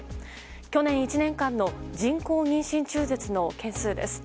去年１年間の人工妊娠中絶の件数です。